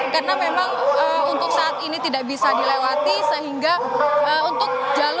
karena memang untuk saat ini tidak bisa dilewati sehingga untuk